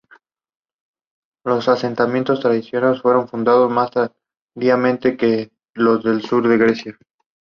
The film had mostly positive reviews and screened at several international film festivals.